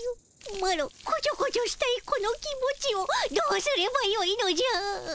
マロこちょこちょしたいこの気持ちをどうすればよいのじゃ。